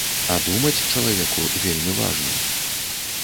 А думаць чалавеку вельмі важна.